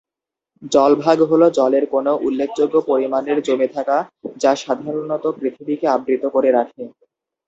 জলভাগ হলো জলের কোনও উল্লেখযোগ্য পরিমাণের জমে থাকা, যা সাধারণত পৃথিবীকে আবৃত করে রাখে।